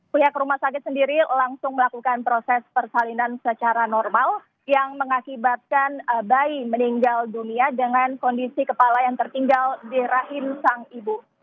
pihak rumah sakit sendiri langsung melakukan proses persalinan secara normal yang mengakibatkan bayi meninggal dunia dengan kondisi kepala yang tertinggal di rahim sang ibu